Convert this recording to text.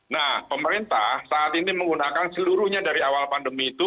nah pemerintah saat ini menggunakan seluruhnya dari awal pandemi itu